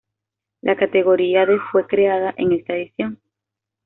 La categoría de fue creada en esta edición.